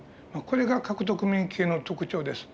これが獲得免疫系の特徴です。